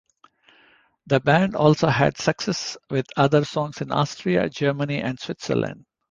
The band also has had success with other songs in Austria, Germany and Switzerland.